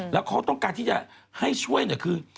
แล้วเขาต้องการที่จะให้ช่วยเนี่ยคือ